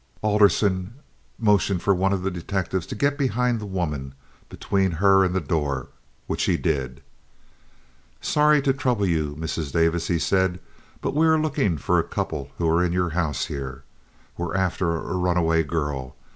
Alderson motioned one of his detectives to get behind the woman—between her and the door—which he did. "Sorry to trouble you, Mrs. Davis," he said, "but we are looking for a couple who are in your house here. We're after a runaway girl.